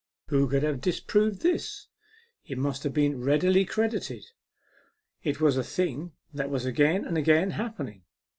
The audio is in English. Who could have disproved this ? It must have been readily credited. It was a thing that was again and again happen ing.